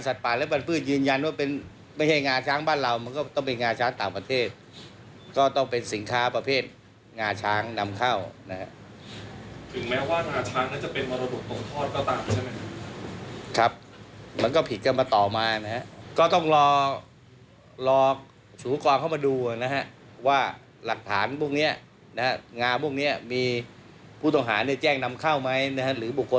สัตว์ป่านและบรรพืชยืนยันว่าเป็นไม่ให้งาช้างบ้านเรามันก็ต้องเป็นงาช้างต่างประเทศก็ต้องเป็นสินค้าประเภทงาช้างนำเข้านะฮะถึงแม้ว่างาช้างน่าจะเป็นมารวดตรงทอดก็ตามใช่ไหมครับมันก็ผิดกันมาต่อมานะฮะก็ต้องรอรอสูกวางเข้ามาดูนะฮะว่าหลักฐานพวกเนี้ยนะฮะงาพวกเนี้ยมีผู้ต้องหาเ